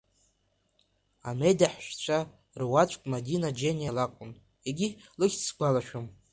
Амедеҳәшьцәа руаӡәк Мадина Џьениа лакәын, егьи лыхьӡ сгәалашәом.